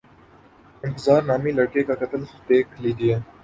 انتظار نامی لڑکے کا قتل دیکھ لیجیے۔